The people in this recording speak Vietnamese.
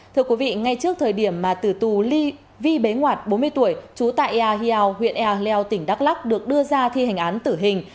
thưa quý vị ngay trước thời điểm mà tử tù ly vi bế ngoạt bốn mươi tuổi trú tại iaeao huyện ea leo tỉnh đắk lắc được đưa ra thi hành án tử hình